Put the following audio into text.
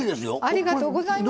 ありがとうございます。